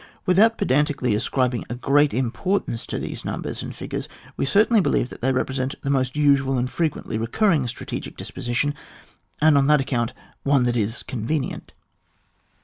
Without pedantically ascribing a great importance to these numbers and figures, we certainly believe that they represent the most usual and frequently recurring strategic disposition, and on that account one that is convenient.